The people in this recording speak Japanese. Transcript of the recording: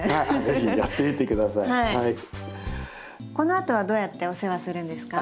このあとはどうやってお世話するんですか？